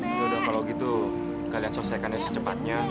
yaudah kalau gitu kalian selesaikannya secepatnya